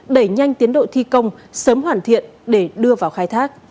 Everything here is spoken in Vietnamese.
đẩy nhanh tiến độ thi công sớm hoàn thiện để đưa vào khai thác